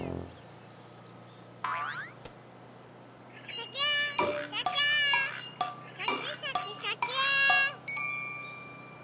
シャキーンシャキーン！シャキシャキシャキーン！